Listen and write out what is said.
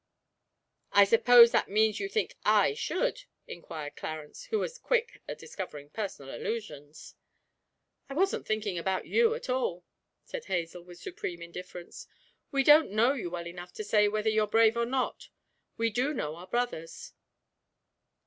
'I suppose that means that you think I should?' inquired Clarence, who was quick at discovering personal allusions. 'I wasn't thinking about you at all,' said Hazel, with supreme indifference; 'we don't know you well enough to say whether you're brave or not we do know our brothers.'